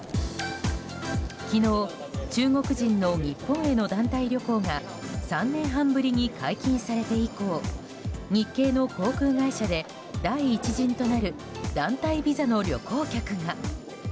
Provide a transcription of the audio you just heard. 昨日、中国人の日本への団体旅行が３年半ぶりに解禁されて以降日系の航空会社で第１陣となる団体ビザの旅行客が。